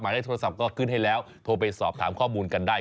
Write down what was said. ได้โทรศัพท์ก็ขึ้นให้แล้วโทรไปสอบถามข้อมูลกันได้